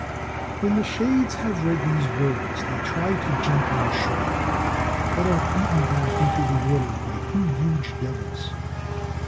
When the shades have read these words they try to jump on shore, but are beaten back into the water by two huge devils.